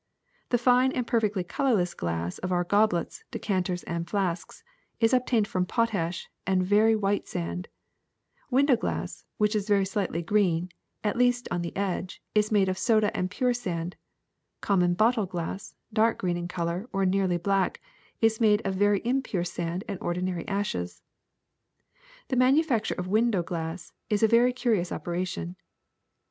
The fine and perfectly colorless glass of our goblets, decanters, and flasks is obtained from potash and very white sand ; window glass, which is very slightly green, at least on the edge, is made of soda and pure sand ; common bottle glass, dark green in color, or nearly black, is made of very impure sand and ordinary ashes. '' The manufacture of window glass is a very curi ous operation.